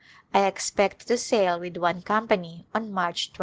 I expect to sail with one company on March 23d.